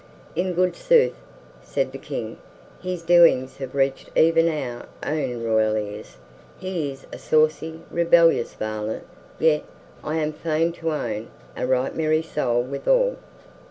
"In good sooth," said the King, "his doings have reached even our own royal ears. He is a saucy, rebellious varlet, yet, I am fain to own, a right merry soul withal."